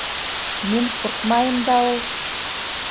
- Мин ҡурҡмайым да ул.